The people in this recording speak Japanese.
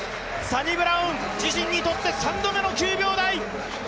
サニブラウン自身にとって３度目の９秒台。